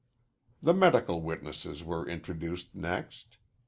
The medical witnesses were introduced next.